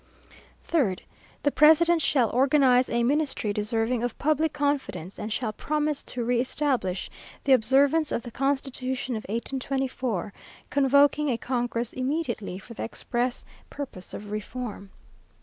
"3rd. The president shall organize a ministry deserving of public confidence, and shall promise to re establish the observance of the constitution of 1824, convoking a congress immediately, for the express purpose of reform.